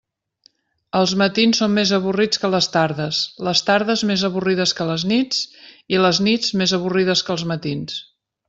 Els matins són més avorrits que les tardes, les tardes més avorrides que les nits i les nits més avorrides que els matins.